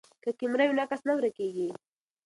که کیمره وي نو عکس نه ورکیږي.